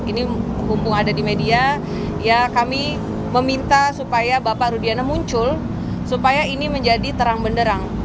ini hubung ada di media ya kami meminta supaya bapak rudiana muncul supaya ini menjadi terang benderang